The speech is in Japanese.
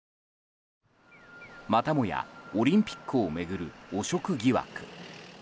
またもやオリンピックを巡る汚職疑惑。